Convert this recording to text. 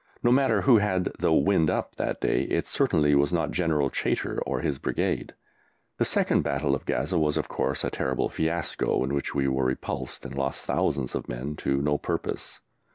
No matter who had the "wind up" that day, it certainly was not General Chaytor or his Brigade. The second battle of Gaza was, of course, a terrible fiasco, in which we were repulsed and lost thousands of men to no purpose.